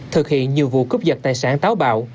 thực hiện nhiều vụ cướp giật tài sản táo bạo